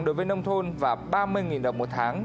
đối với nông thôn và ba mươi đồng một tháng